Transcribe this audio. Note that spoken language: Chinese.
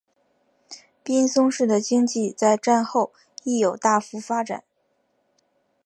滨松市的经济在战后亦有大幅发展。